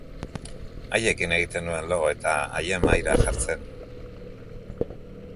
Haiekin egiten nuen lo eta haien mahaira jartzen.